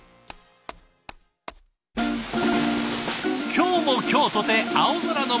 今日も今日とて青空の下！